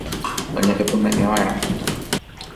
Oñehepymeʼẽvaʼerã.